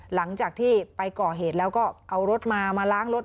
หลังจากที่ไปก่อเหตุแล้วก็เอารถมามาล้างรถ